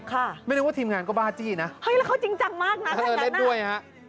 ค่ะไม่นึกว่าทีมงานก็บ้าจี้นะเฮ้ยแล้วเขาจริงจักรมากน่ะแต่งงานน่ะเออเล่นด้วยฮะ